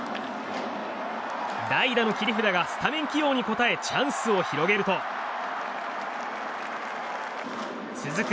代打の切り札がスタメン起用に応えチャンスを広げると続く